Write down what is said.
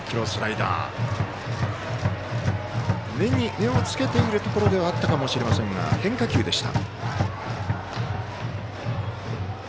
目をつけているところではあったかもしれませんが変化球でした。